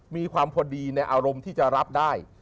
มีความพอดีในอารมณ์ที่จะรับได้